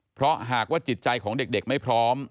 เพราะหากว่าจิตใจของเด็กไม่พร้อม